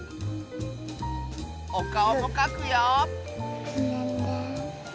おかおもかくよ！